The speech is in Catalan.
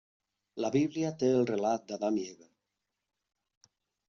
La Bíblia té el relat d'Adam i Eva.